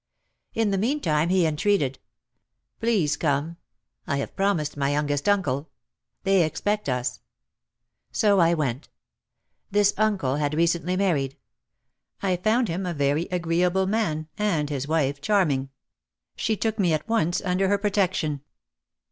In the meantime he entreated, "Please come! I have promised my youngest uncle. They expect us." So I went. This uncle had recently married. I found him a very agreeable man and his wife charming. She took me at once under her protection.